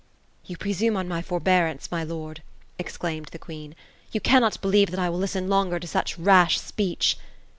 ^^ Tou presume on my forbearance, my lord !" exclaimed the queen. ^ You cannot believe that I will listen longer to such rash speech."